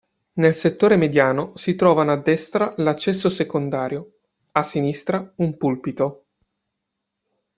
Nel settore mediano si trovano a destra l'accesso secondario, a sinistra un pulpito.